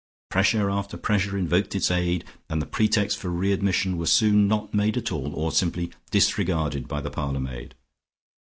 Pressure after pressure invoked its aid, and the pretexts for re admission were soon not made at all, or simply disregarded by the parlour maid.